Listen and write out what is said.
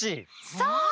そう！